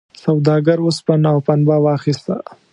سوداګر اوسپنه او پنبه واخیسته.